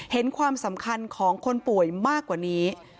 เห็นความสำคัญของคนป่วยมากกว่านี้